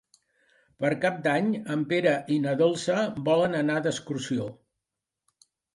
Per Cap d'Any en Pere i na Dolça volen anar d'excursió.